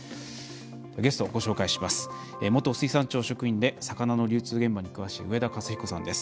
ゲストご紹介します。